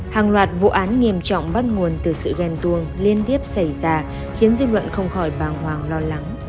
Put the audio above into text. hàng loạt vụ án nghiêm trọng bắt nguồn từ sự ghen tuồng liên tiếp xảy ra khiến dư luận không khỏi bàng hoàng lo lắng